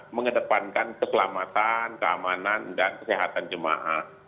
mengedepankan keselamatan keamanan dan kesehatan jemaah